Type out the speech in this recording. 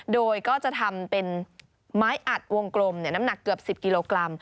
โดยก็จะทำเป็นไม้อัดวงกลมน้ำหนักเกือบ๑๐กิโลกรัม